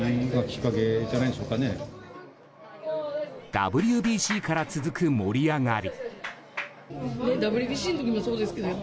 ＷＢＣから続く盛り上がり。